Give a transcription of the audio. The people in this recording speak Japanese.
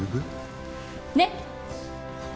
ねっ？